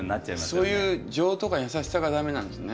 そういう情とか優しさが駄目なんですね。